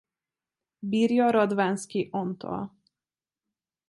Birja Radvánszky Antal.